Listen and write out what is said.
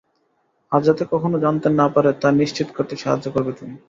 আর যাতে কখনো জানতে না পারে তা নিশ্চিত করতে সাহায্য করবে তুমি।